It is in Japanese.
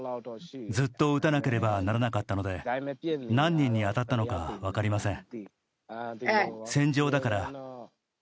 ずっと撃たなければならなかったので、何人に当たったのか分かりません。